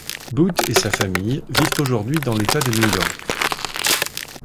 Boot et sa famille vivent aujourd'hui dans l'État de New York.